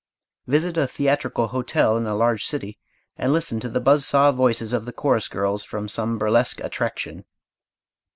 Visit a theatrical hotel in a large city, and listen to the buzz saw voices of the chorus girls from some burlesque "attraction."